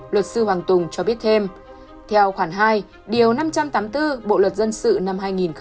luật sư hoàng tùng cho biết thêm theo khoản hai điều năm trăm tám mươi bốn bộ luật dân sự năm hai nghìn một mươi năm